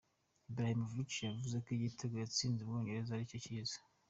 Ibrahimovic yavuze ko igitego yatsinze Ubwongereza aricyo cyiza.